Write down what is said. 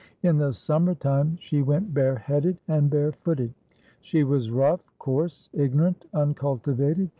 In the summer time she went bareheaded and barefooted. She was rough, coarse, ignorant, uncultivated.